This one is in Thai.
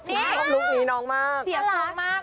ชอบลุ๊กนี้น้องมาก